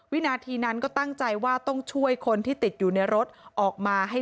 วินาทีนั้นก็ตั้งใจว่าต้องช่วยคนที่ติดอยู่ในรถออกมาให้